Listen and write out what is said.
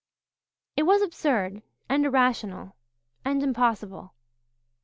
It was absurd and irrational and impossible.